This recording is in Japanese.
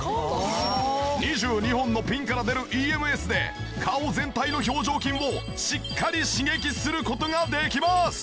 ２２本のピンから出るＥＭＳで顔全体の表情筋をしっかり刺激する事ができます。